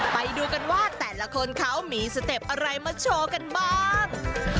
ไปดูกันว่าแต่ละคนเขามีสเต็ปอะไรมาโชว์กันบ้าง